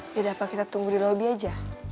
yaudah pak kita tunggu di lobby aja